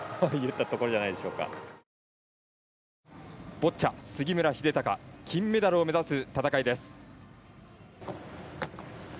ボッチャ、杉村英孝金メダルを目指す戦いです。